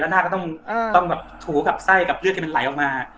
หน้าก็ต้องแบบถูกับไส้กับเลือดที่มันไหลออกมา